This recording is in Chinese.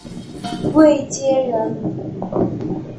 卫玠人。